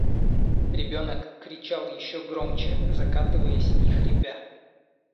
Ребенок кричал еще громче, закатываясь и хрипя.